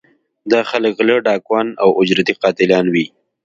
دا خلک غلۀ ، ډاکوان او اجرتي قاتلان وي